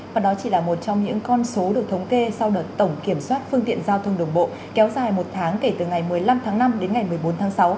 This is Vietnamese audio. và đó chỉ là một trong những con số được thống kê sau đợt tổng kiểm soát phương tiện giao thông đường bộ kéo dài một tháng kể từ ngày một mươi năm tháng năm đến ngày một mươi bốn tháng sáu